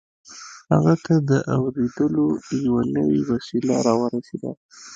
هغه ته د اورېدلو يوه نوې وسيله را ورسېده.